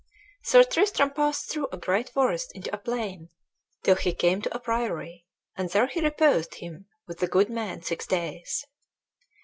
Sir Tristram passed through a great forest into a plain, till he came to a priory, and there he reposed him with a good man six days.